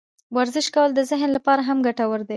ورزش کول د ذهن لپاره هم ګټور دي.